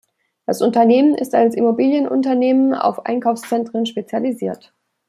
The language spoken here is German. Das Unternehmen ist als Immobilienunternehmen auf Einkaufszentren spezialisiert.